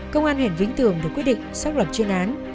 công an huyện vĩnh tường được quyết định xác lập chuyên án